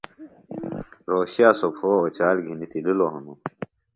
رھوشِیہ سوۡ پھو اوچال گھِنیۡ تِللوۡ ہنوۡ